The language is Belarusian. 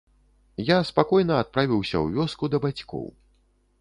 Я спакойна адправіўся ў вёску да бацькоў.